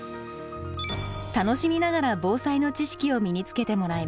楽しみながら防災の知識を身につけてもらいます。